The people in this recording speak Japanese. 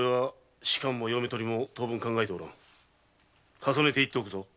重ねて言っておくぞ。